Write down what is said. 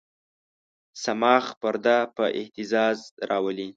صماخ پرده په اهتزاز راولي.